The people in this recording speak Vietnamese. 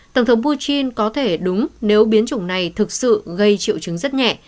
tổng thống putin có thể đúng nếu biến chủng này thực sự gây triệu chứng rất nhẹ